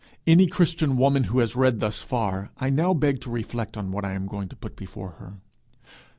Any Christian woman who has read thus far, I now beg to reflect on what I am going to put before her.